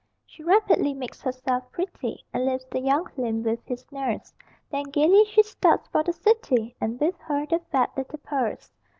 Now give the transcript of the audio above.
She rapidly makes herself pretty And leaves the young limb with his nurse, Then gaily she starts for the city, And with her the fat little purse.